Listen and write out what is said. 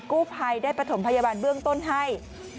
กู้ภัยได้ประถมพยาบาลเบื้องต้นให้